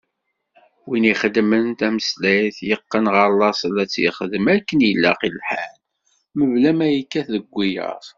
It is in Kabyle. Win ixeddmen tameslayt, yeqqen ɣer laṣel ad t-yexdem akken ilaq lḥal, mebla ma yekkat deg wiyaḍ.